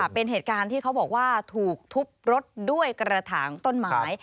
เป็นเหตุการณ์ที่เขาบอกว่าถูกทุบรถด้วยกระถางต้นไม้